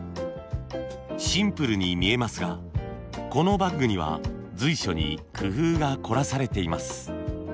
シンプルに見えますがこのバッグには随所に工夫が凝らされています。